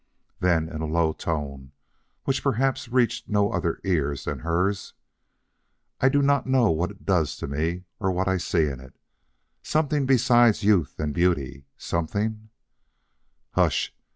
Then in a low tone which perhaps reached no other ears than hers: "I do not know what it does to me; or what I see in it. Something besides youth and beauty. Something " "Hush!"